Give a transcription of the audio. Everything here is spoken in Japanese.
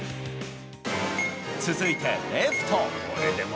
続いてレフト。